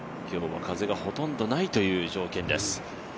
今日も風がほとんどないという条件です。